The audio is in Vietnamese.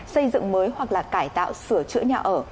xây dựng mới hoặc là cải tạo sửa chữa nhà ở